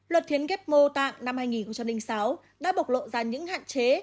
luật hiến ghép mô tạng năm hai nghìn sáu đã bộc lộ ra những hạn chế